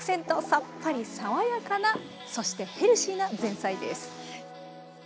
さっぱり爽やかなそしてヘルシーな前菜です。